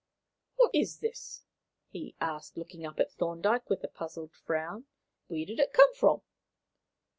"What is this?" he asked, looking up at Thorndyke with a puzzled frown. "Where did it come from?"